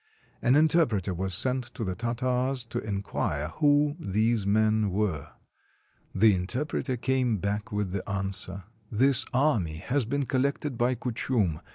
An interpreter was sent to the Tartars to inquire who these men were. The interpreter came back with the answer :— "This army has been collected by Kuchum.